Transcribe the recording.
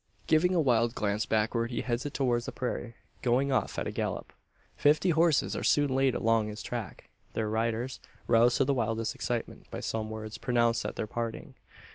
Giving a wild glance backward, he heads it towards the prairie going off at a gallop. Fifty horses are soon laid along his track their riders roused to the wildest excitement by some words pronounced at their parting.